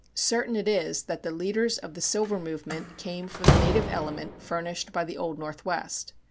Certain it is that the leaders of the silver movement came from the native element furnished by the Old Northwest.